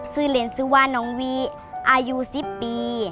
ซื้อเล่นซื้อว่านองค์วีอายุ๑๐ปี